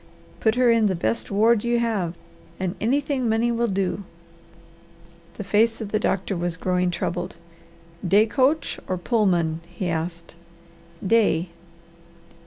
Put her in the best ward you have and anything money will do " The face of the doctor was growing troubled. "Day coach or Pullman?" he asked. "Day."